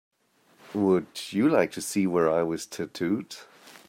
Would you like to see where I was tattooed?